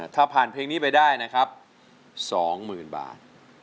เทศไทยนี้ไปได้นะครับ๒๐๐๐๐บาท